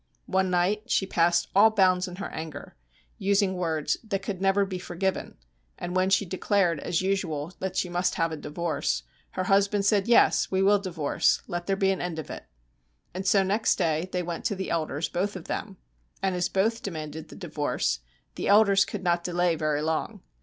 One night she passed all bounds in her anger, using words that could never be forgiven; and when she declared as usual that she must have a divorce, her husband said: 'Yes, we will divorce. Let there be an end of it.' And so next day they went to the elders both of them, and as both demanded the divorce, the elders could not delay very long.